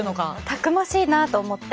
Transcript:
たくましいなと思って。